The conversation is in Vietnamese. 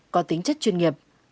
có tính chất chuyên nghiệp